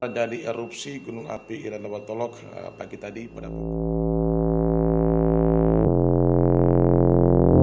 ada erupsi gunung api iraniwantolok pagi tadi pada pagi